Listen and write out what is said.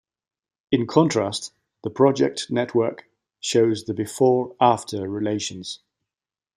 In contrast, the project network shows the "before-after" relations.